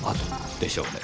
でしょうねぇ。